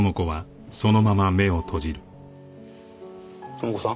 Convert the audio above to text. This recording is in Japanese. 朋子さん？